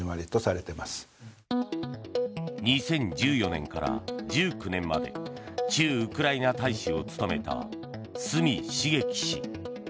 ２０１４年から１９年まで駐ウクライナ大使を務めた角茂樹氏。